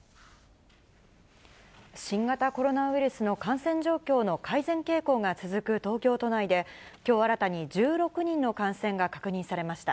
新型コロナウイルスの感染状況の改善傾向が続く東京都内で、きょう新たに１６人の感染が確認されました。